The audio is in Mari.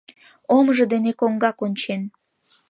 Омыжо дене коҥга кончен.